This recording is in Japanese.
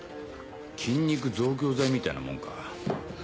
筋肉増強剤みたいなもんか。